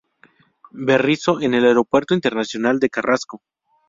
Berisso en el Aeropuerto Internacional de Carrasco.